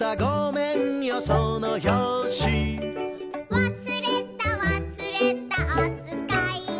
「わすれたわすれたおつかいを」